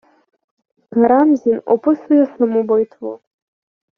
Карамзін описує саму битву: